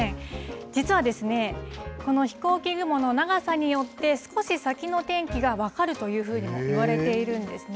実はですね、この飛行機雲の長さによって、少し先の天気が分かるというふうにもいわれているんですね。